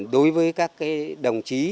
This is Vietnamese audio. đối với các đồng chí